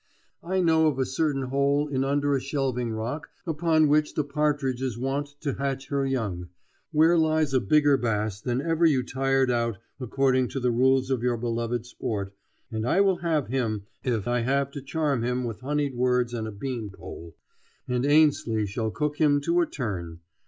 I know of a certain hole in under a shelving rock upon which the partridge is wont to hatch her young, where lies a bigger bass than ever you tired out according to the rules of your beloved sport, and I will have him if I have to charm him with honeyed words and a bean pole. And Ainslie shall cook him to a turn.